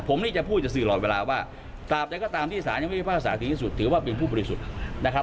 ผมนี่จะพูดกับสื่อตลอดเวลาว่าตราบใดก็ตามที่สารยังไม่พิพากษาถึงที่สุดถือว่าเป็นผู้บริสุทธิ์นะครับ